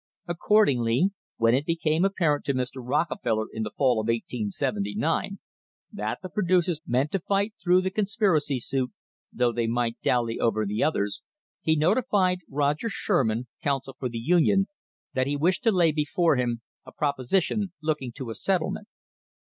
Accordingly, when it became apparent to Mr. Rockefeller in the fall of 1879 that the pro ducers meant to fight through the conspiracy suit, thoug THE COMPROMISE OF 1880 they might dally over the others, he notified Roger Sherman, counsel for the Union, that he wished to lay before him a proposition looking to a settlement.